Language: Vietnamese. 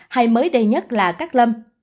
hay mới đầy nhất là cát lâm